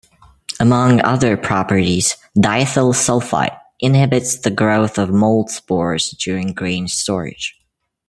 Among other properties, diethyl sulfite inhibits the growth of mold spores during grain storage.